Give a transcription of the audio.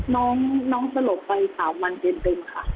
น้องสลบไป๓วันเต็มค่ะ